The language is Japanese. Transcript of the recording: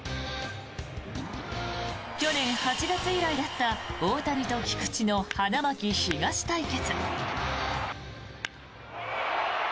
去年８月以来だった大谷と菊池の花巻東対決。